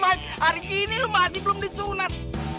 mike hari ini lo masih belum disunat